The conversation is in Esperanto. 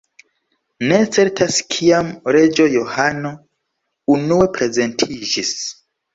Ne certas kiam "Reĝo Johano" unue prezentiĝis.